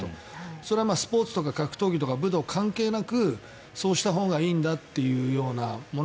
それはまあ、スポーツとか格闘技とか武道関係なくそうしたほうがいいんだというもの。